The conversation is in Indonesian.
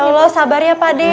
ya allah sabarnya pade ya